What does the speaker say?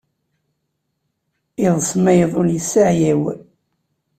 Iḍes ma iḍul isseɛyaw.